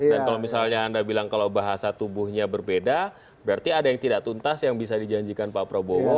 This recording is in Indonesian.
dan kalau misalnya anda bilang bahasa tubuhnya berbeda berarti ada yang tidak tuntas yang bisa dijanjikan pak prabowo